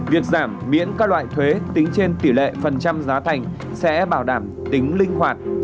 việc giảm miễn các loại thuế tính trên tỷ lệ phần trăm giá thành sẽ bảo đảm tính linh hoạt